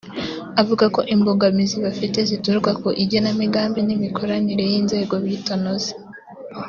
avuga ko imbogamizi bafite zituruka ku igenamigambi n’imikoranire y’inzego bitanoze